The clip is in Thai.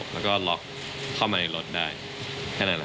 แล้วก็ล็อกเข้ามาในรถได้แค่นั้น